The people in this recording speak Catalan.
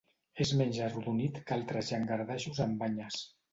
És menys arrodonit que altres llangardaixos amb banyes.